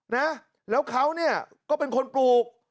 นะแล้วเขาเนี่ยก็เป็นคนปลูก